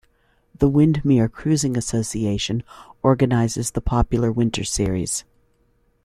The Windermere Cruising Association organises the popular Winter Series.